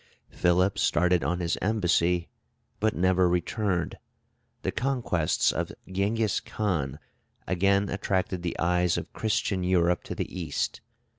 Philip started on his embassy, but never returned. The conquests of Tschengis Khan again attracted the eyes of Christian Europe to the East.